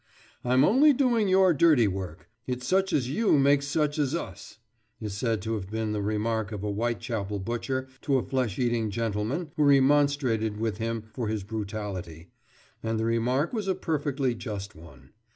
"I'm only doing your dirty work. It's such as you makes such as us," is said to have been the remark of a Whitechapel butcher to a flesh eating gentleman who remonstrated with him for his brutality; and the remark was a perfectly just one.